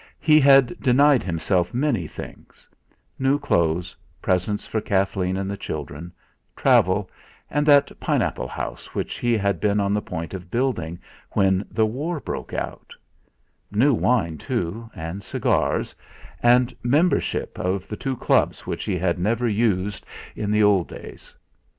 He had denied himself many things new clothes, presents for Kathleen and the children, travel, and that pine apple house which he had been on the point of building when the war broke out; new wine, too, and cigars, and membership of the two Clubs which he had never used in the old days.